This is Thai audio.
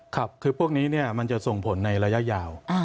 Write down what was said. ครับคือพวกนี้มันจะส่งผลในระยะยาว